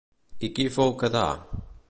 I qui fou Quedar?